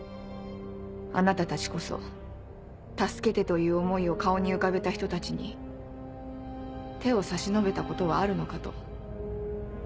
あなたたちこそ「助けて」という思いを顔に浮かべた人たちに手を差し伸べたことはあるのかと。